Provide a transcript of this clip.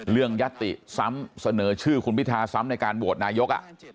ยัตติซ้ำเสนอชื่อคุณพิธาซ้ำในการโหวตนายก